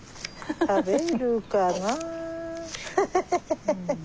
食べるかな？